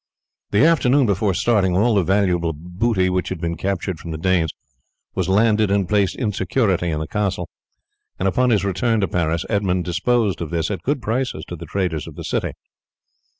The afternoon before starting all the valuable booty which had been captured from the Danes was landed and placed in security in the castle, and upon his return to Paris Edmund disposed of this at good prices to the traders of the city.